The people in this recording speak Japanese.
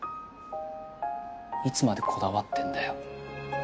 いつまでこだわってんだよ。